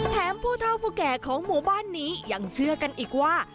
ผู้เท่าผู้แก่ของหมู่บ้านนี้ยังเชื่อกันอีกว่า